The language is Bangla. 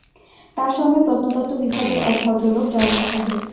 তাঁর সঙ্গে প্রত্নতও্ব বিভাগের এক ভদ্রলোক, জয়নাল সাহেব।